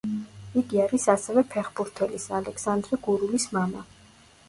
იგი არის ასევე ფეხბურთელის, ალექსანდრე გურულის მამა.